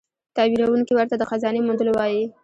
تعبیرونکی ورته د خزانې موندلو وايي.